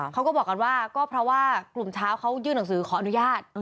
เขาก็บอกกันว่าก็เพราะว่ากลุ่มเช้าเขายื่นหนังสือขออนุญาต